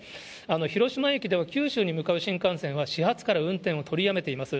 広島駅では九州に向かう新幹線が始発から運転を取りやめています。